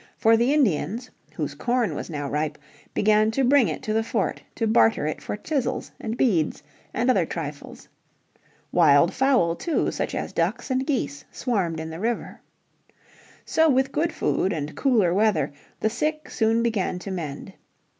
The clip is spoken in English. For the Indians, whose corn was now ripe, began to bring it to the fort to barter it for chisels, and beads, and other trifles. Wild fowl too, such as ducks and geese, swarmed in the river. So with good food and cooler weather the sick soon began to mend.